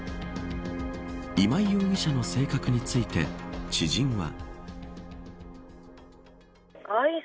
今井容疑者の性格について知人は。